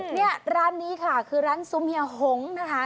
เนี่ยร้านนี้ค่ะคือร้านซูเมียหงนะคะ